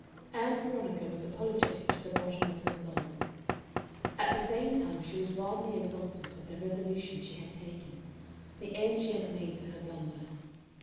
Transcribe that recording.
Ann Veronica was apologetic to the bottom of her soul. At the same time she was wildly exultant at the resolution she had taken, the end she had made to her blunder.